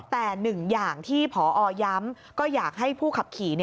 แต่หนึ่งอย่างที่พอย้ำก็อยากให้ผู้ขับขี่